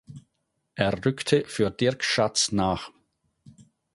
Er rückte für Dirk Schatz nach.